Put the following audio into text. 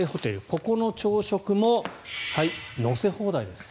ここの朝食も乗せ放題です。